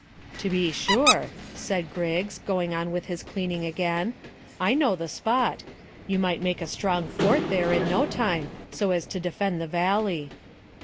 "To be sure," said Griggs, going on with his cleaning again. "I know the spot. You might make a strong fort there in no time so as to defend the valley."